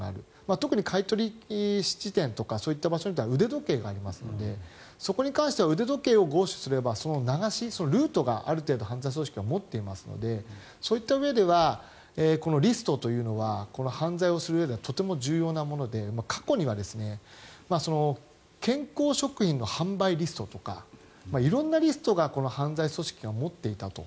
特に買い取り質店とかそういった場所には腕時計がありますのでそこに関しては犯罪組織はルートを持っていますのでそういったうえではこのリストは犯罪をするうえではとても重要なもので、過去には健康食品の販売リストとか色んなリストを犯罪組織は持っていたと。